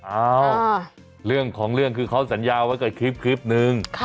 เอ้าเรื่องของเรื่องคือเขาสัญญาไว้กับคลิปนึง